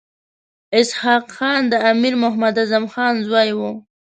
اسحق خان د امیر محمد اعظم خان زوی وو.